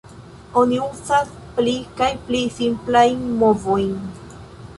Oni uzas pli kaj pli simplajn movojn.